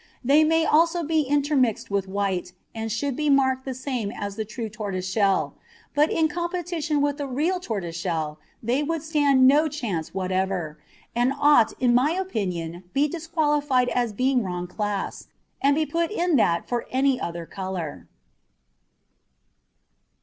They may also be intermixed with white, and should be marked the same as the true tortoiseshell; but in competition with the real tortoiseshell they would stand no chance whatever, and ought in my opinion to be disqualified as being wrong class, and be put in that for "any other colour."